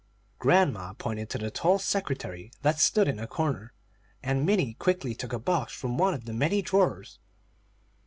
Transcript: Grandma pointed to the tall secretary that stood in a corner, and Minnie quickly took a box from one of the many drawers.